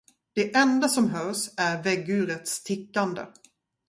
Det enda som hörs är väggurets tickande.